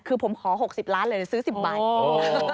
คือผมขอ๖๐ล้านเลยซื้อ๑๐ใบ